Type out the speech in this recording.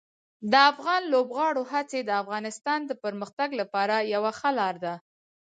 د افغان لوبغاړو هڅې د افغانستان د پرمختګ لپاره یوه ښه لار ده.